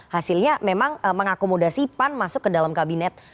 hasilnya memang mengakomodasi pan masuk ke dalam kabinet